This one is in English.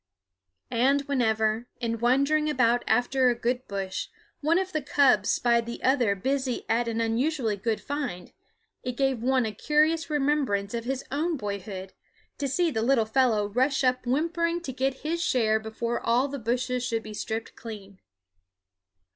And whenever, in wandering about after a good bush, one of the cubs spied the other busy at an unusually good find, it gave one a curious remembrance of his own boyhood to see the little fellow rush up whimpering to get his share before all the bushes should be stripped clean.